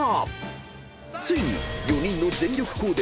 ［ついに４人の全力コーデ堂々披露！］